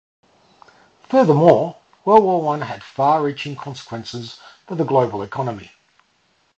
Furthermore, World War I had far-reaching consequences for the global economy.